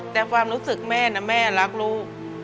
แต่ความรู้สึกแม่นะแม่รักลูก